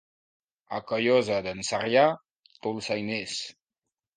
A Callosa d'en Sarrià, dolçainers.